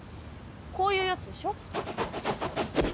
こういうやつでしょ？